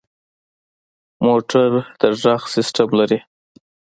موټر د غږ سیسټم لري.